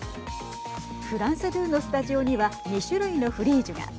フランス２のスタジオには２種類のフリージュが。